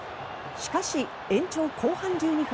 しかし、延長後半１２分。